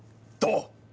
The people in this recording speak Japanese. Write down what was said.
どう？